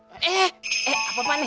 eh eh eh apa pak nih